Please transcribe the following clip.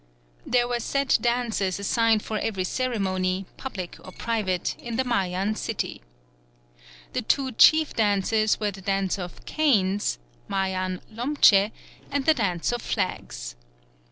There were set dances assigned for every ceremony, public or private, in the Mayan city. The two chief dances were the dance of canes (Mayan lomche) and the dance of flags.